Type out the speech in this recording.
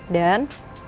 satu dan dua